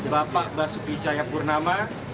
bapak basupi caya purnama